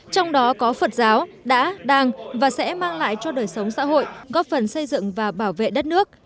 trong đó có phật giáo đã đang và sẽ mang lại cho đời sống xã hội góp phần xây dựng và bảo vệ đất nước